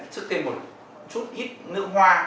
sức thêm một chút ít nước hoa